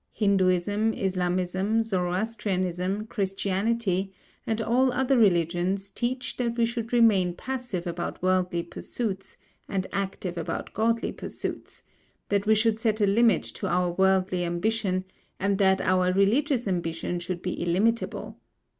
Hinduism, Islamism, Zoroastrianism, Christianity and all other religions teach that we should remain passive about worldly pursuits and active about godly pursuits, that we should set a limit to our worldly ambition, and that our religious ambition should be illimitable.